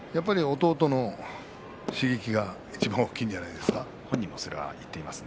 弟の刺激がいちばん大きいんじゃないですか。